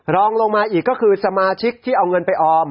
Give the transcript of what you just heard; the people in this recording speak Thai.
รองลงมาอีกก็คือสมาชิกที่เอาเงินไปออม